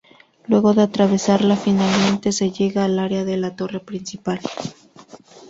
Luego de atravesarla finalmente se llega al área de la torre principal.